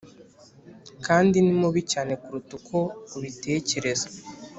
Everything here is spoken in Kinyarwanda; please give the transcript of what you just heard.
kandi ni mubi cyane kuruta uko ubitekereza